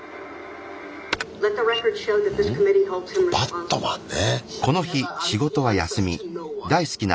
バットマンね。